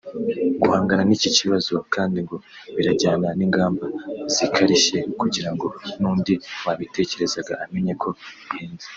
Guhangana n’iki kibazo kandi ngo birajyana n’ingamba zikarishye kugira ngo n’undi wabitekerezaga amenye ko bihenze